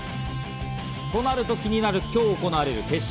となると、気になるのは今日、行われる決勝。